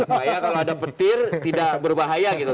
supaya kalau ada petir tidak berbahaya gitu